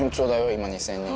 今２０００人。